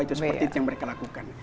itu seperti itu yang mereka lakukan